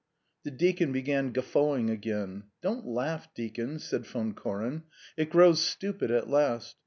The deacon began guffawing again. "Don't laugh, deacon," said Von Koren. "It grows stupid, at last.